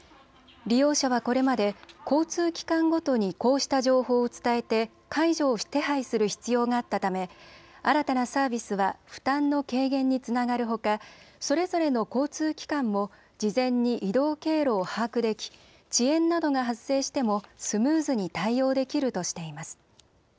利用者はこれまで交通機関ごとにこうした情報を伝えて介助を手配する必要があったため新たなサービスは負担の軽減につながるほかそれぞれの交通機関も事前に移動経路を把握でき遅延などが発生してもスムーズに対応できるとしています。